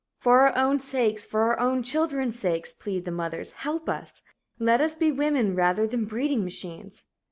"For our own sakes for our children's sakes " plead the mothers, "help us! Let us be women, rather than breeding machines."